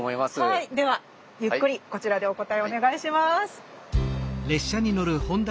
はいではゆっくりこちらでお答えをお願いします。